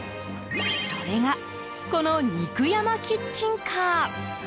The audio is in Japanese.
それが、この肉山キッチンカー。